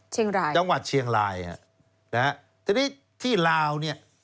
จังหวัดเชียงรายฮะนะฮะทีนี้ที่ลาวเนี่ย